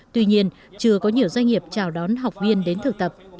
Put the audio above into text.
tuy nhiên chưa có nhiều doanh nghiệp chào đón học viên đến thực tập